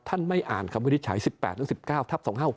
ท่านไม่อ่านคำวิจัย๑๘๑๙ท๒๕๖๓